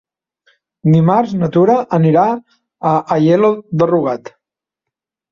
Dimarts na Tura anirà a Aielo de Rugat.